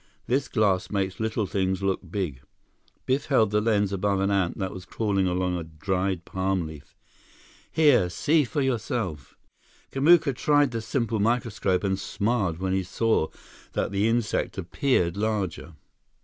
This glass makes little things look big." Biff held the lens above an ant that was crawling along a dried palm leaf. "Here, see for yourself." Kamuka tried the simple microscope and smiled when he saw that the insect appeared larger.